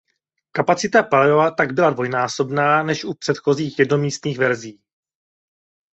Kapacita paliva tak byla dvojnásobná než u předcházejících jednomístných verzí.